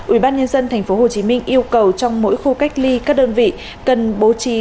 ubnd tp hcm yêu cầu trong mỗi khu cách ly các đơn vị cần bố trí